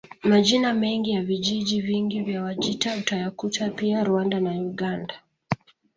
Majina mengi ya vijiji vingi vya Wajita utayakuta pia Rwanda na Uganda